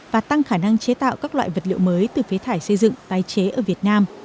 và tăng khả năng chế tạo các loại vật liệu mới từ phế thải xây dựng tái chế ở việt nam